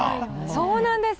そうなんです。